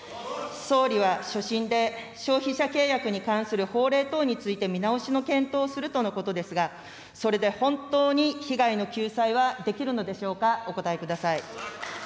総理は所信で消費者契約に関する法令等について見直しの検討をするとのことですが、それで本当に被害の救済はできるのでしょうか、お答えください。